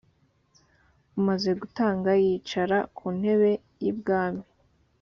umaze gutanga yicara ku ntebe y ubwami.